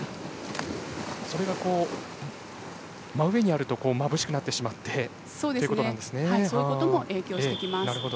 それが真上にあるとまぶしくなってしまうそういうことも影響してきます。